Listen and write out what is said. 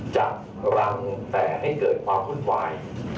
จะรังแต่ให้เกิดความวุ่นวาย